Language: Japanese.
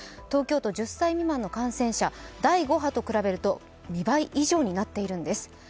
東京都１０歳未満の感染者第５波と比べると２倍以上になっているんです